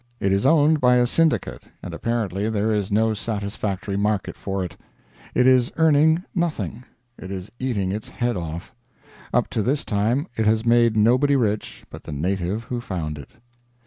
It is owned by a syndicate, and apparently there is no satisfactory market for it. It is earning nothing; it is eating its head off. Up to this time it has made nobody rich but the native who found it.